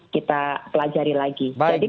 kita pelajari lagi baik baik